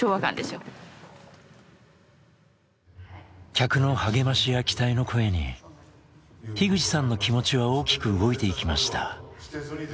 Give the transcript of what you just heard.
客の励ましや期待の声に口さんの気持ちは大きく動いていきました。